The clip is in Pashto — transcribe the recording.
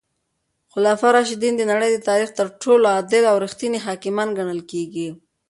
خلفای راشدین د نړۍ د تاریخ تر ټولو عادل او رښتیني حاکمان ګڼل کیږي.